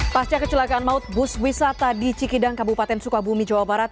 pasca kecelakaan maut bus wisata di cikidang kabupaten sukabumi jawa barat